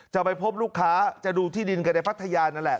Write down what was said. จะไปพบลูกค้าจะดูที่ดินกันในพัทยานั่นแหละ